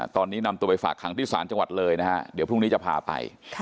ตอนนี้นำตัวไปฝากขังที่ศาลจังหวัดเลยนะฮะเดี๋ยวพรุ่งนี้จะพาไป